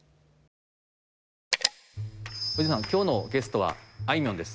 今日のゲストはあいみょんです。